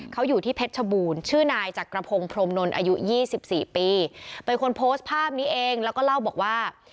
เขาอยู่ที่เพชรชบูรณ์ชื่อนายจักรพงศ์พรมนนท์อายุ๒๔ปีเป็นคนโพสต์ภาพนี้เองแล้วก็เล่าบอกว่า